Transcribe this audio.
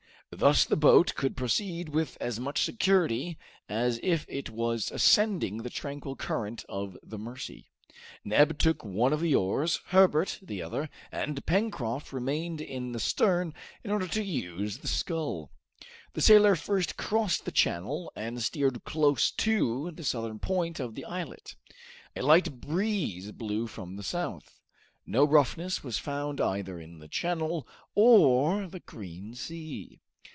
Thus the boat could proceed with as much security as if it was ascending the tranquil current of the Mercy. Neb took one of the oars, Herbert the other, and Pencroft remained in the stern in order to use the scull. The sailor first crossed the channel, and steered close to the southern point of the islet. A light breeze blew from the south. No roughness was found either in the channel or the green sea.